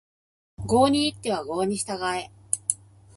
郷に入っては郷に従え